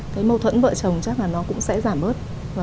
cái mâu thuẫn vợ chồng chắc là nó cũng sẽ giảm bớt